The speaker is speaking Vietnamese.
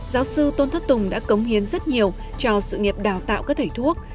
giáo sư tôn thất tùng đã cống hiến rất nhiều cho sự nghiệp đào tạo cơ thể thuốc